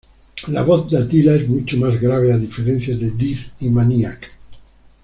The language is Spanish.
La voz de Attila es mucho más grave a diferencia de Dead y Maniac.